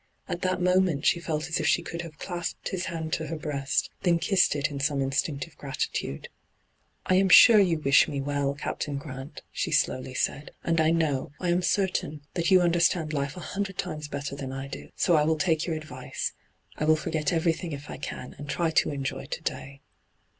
At that moment she felt as if she could have clasped his hand to her breast, then kissed it in some instinctive gratitude. ' I am sure you wish me well, Captun hyGoo^lc ENTRAPPED 195 Grant,* she slowly said, 'and I know, I am certain, that you understand life a hundred times better than I do, so I will take your advice — I will forget everything if I can, and try to enjoy to day.